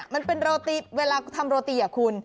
มันเป็นโรตีเวลาทำโรตีอะคุณ